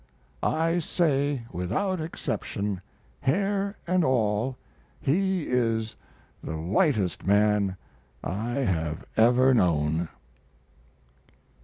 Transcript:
I say, without exception, hair and all, he is the whitest man I have ever known.